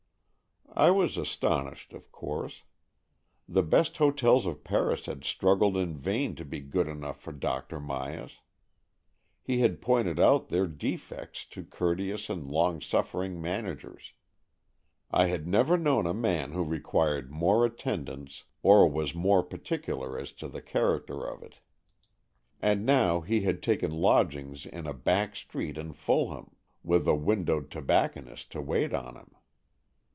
I was astonished, of course. The best hotels of Paris had struggled in vain to be good enough for Dr. Myas. He had pointed out their defects to courteous and long suffering managers. I had never known a man who required more attendance or was more particular as to the character of it. 38 AN EXCHANGE OF SOULS And now he had taken lodgings in a back street in Fulham, with a widowed tobacconist to wait on him.